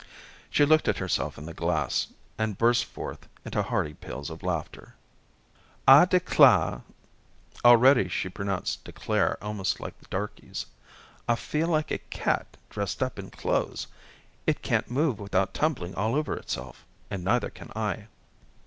She looked at herself in a glass, and burst forth into hearty peals of laughter. "I declah" already she pronounced "declare" almost like the darkies "I feel like a cat dressed up in clothes. It can't move without tumbling all over itself, and neither can I."